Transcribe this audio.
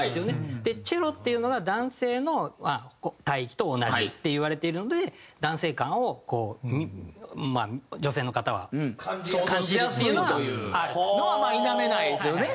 でチェロっていうのが男性の帯域と同じっていわれているので男性感をこうまあ女性の方は感じやすいのはあるのは否めないですよね。